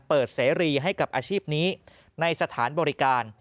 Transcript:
เสรีให้กับอาชีพนี้ในสถานบริการ